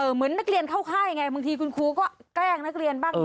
เหมือนนักเรียนเข้าค่ายไงบางทีคุณครูก็แกล้งนักเรียนบ้าง